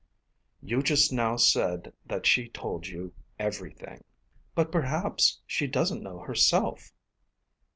"You just now said that she told you everything." "But perhaps she doesn't know herself."